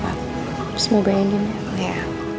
terus mau bayangin ya